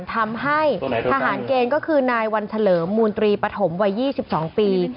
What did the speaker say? ทำให้ทหารเกณฑ์ก็คือนายวันเฉลิมมูลตรีปฐมวัย๒๒ปี